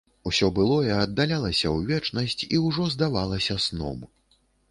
Усё былое аддалялася ў вечнасць і ўжо здавалася сном.